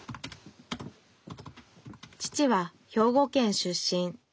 父は兵庫県出身。